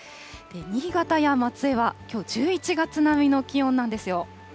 新潟や松江はきょう１１月並みの気温なんですよ。